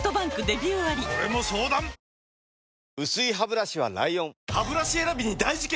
薄いハブラシは ＬＩＯＮハブラシ選びに大事件！